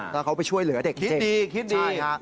แล้วเขาไปช่วยเหลือเด็กคิดดีคิดดีฮะ